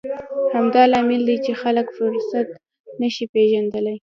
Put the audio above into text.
همدا لامل دی چې خلک فرصت نه شي پېژندلی.